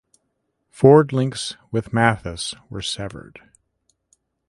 Ford links with Mathis were severed.